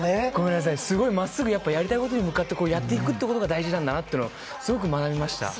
真っすぐやりたいことに向かってやっていくってことが大事なんだなって学びました。